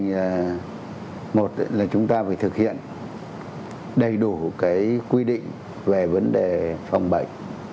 theo tôi nghĩ thì một là chúng ta phải thực hiện đầy đủ cái quy định về vấn đề phòng bệnh